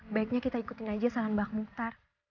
baiknya kita ikutin aja saran mbak muktar